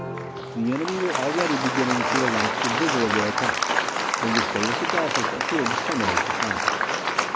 The enemy were already beginning to relax the vigour of their attack, when Gustavus Adolphus appeared to terminate the contest.